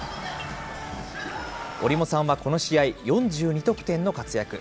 折茂さんはこの試合、４２得点の活躍。